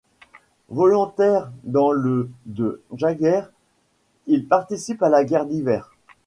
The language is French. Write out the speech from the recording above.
Volontaire dans le de jägers, il participe à la guerre d'Hiver.